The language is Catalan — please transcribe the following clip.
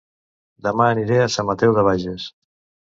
Dema aniré a Sant Mateu de Bages